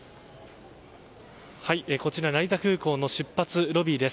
こちら、成田空港の出発ロビーです。